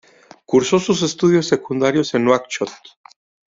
Cursó sus estudios secundarios en Nuakchot.